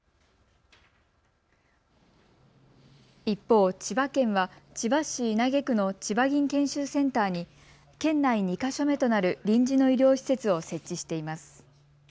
一方、千葉県は千葉市稲毛区のちばぎん研修センターに県内２か所目となる臨時の医療施設を設置しています。